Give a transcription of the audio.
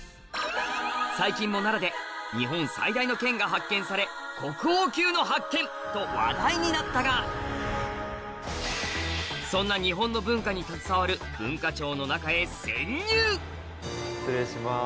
最近も奈良で日本最大の剣が発見され国宝級の発見！と話題になったがそんな日本の文化に携わる失礼します。